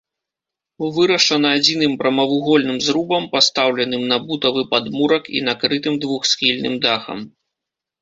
Вырашана адзіным прамавугольным зрубам, пастаўленым на бутавы падмурак і накрытым двухсхільным дахам.